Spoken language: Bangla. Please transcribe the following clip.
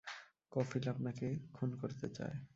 কফিল আপনাকে খুন করতে চায়?